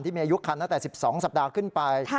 มีอายุคันตั้งแต่๑๒สัปดาห์ขึ้นไป